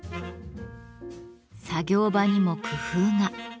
作業場にも工夫が。